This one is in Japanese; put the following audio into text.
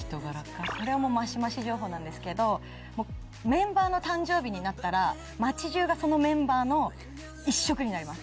これもマシマシ情報なんですけどメンバーの誕生日になったら街じゅうがそのメンバー一色になります。